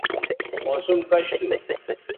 موسم کش تھو